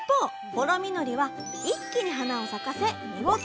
ほろみのりは一気に花を咲かせ実をつけます。